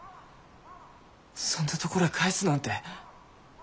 そんなところへ帰すなんて。